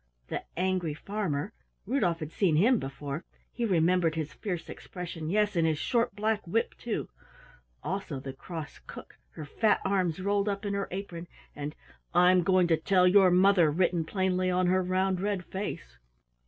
The Angry Farmer Rudolf had seen him before; he remembered his fierce expression, yes, and his short black whip, too! Also the Cross Cook, her fat arms rolled up in her apron, and "I'm going to tell your mother," written plainly on her round red face.